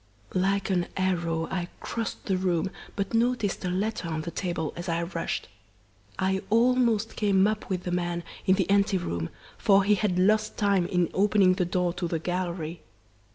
"Like an arrow I crossed the room, but noticed a letter on the table as I rushed. I almost came up with the man in the ante room, for he had lost time in opening the door to the gallery.